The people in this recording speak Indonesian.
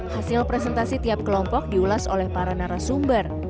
hasil presentasi tiap kelompok diulas oleh para narasumber